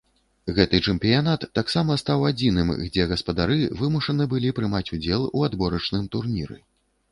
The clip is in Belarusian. Гэты чэмпіянат таксама стаў адзіным, дзе гаспадары вымушаны былі прымаць удзел у адборачным турніры.